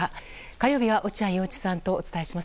火曜日は落合陽一さんとお伝えします。